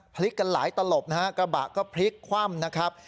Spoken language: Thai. พลิกกันหลายตลบนะฮะกระบะก็พลิกคว่ำนะครับ